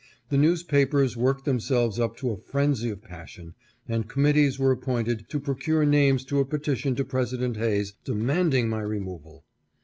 The newspapers worked themselves up to a frenzy of passion, and committees were appointed to procure names to a petition to Presi dent Hayes demanding my removal.